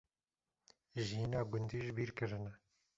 jiyîna gundî jibîrkirine